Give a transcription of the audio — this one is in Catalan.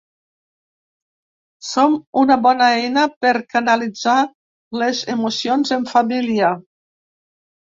Són una bona eina per canalitzar les emocions en família.